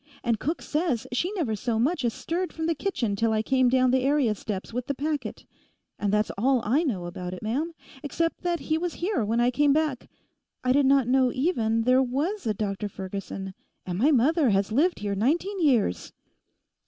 And cook says she never so much as stirred from the kitchen till I came down the area steps with the packet. And that's all I know about it, ma'am; except that he was here when I came back. I did not know even there was a Dr Ferguson; and my mother has lived here nineteen years.